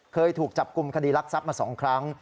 เคยถูกจับกุมคดีลักษณ์ทรัพย์มาสองครั้ง